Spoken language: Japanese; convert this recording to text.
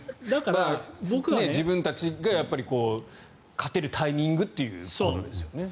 自分たちが勝てるタイミングということですよね。